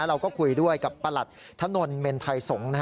เราก็คุยด้วยกับประหลัดถนนเมนไทยสงฆ์